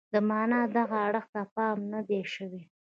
د معنا دغه اړخ ته پام نه دی شوی.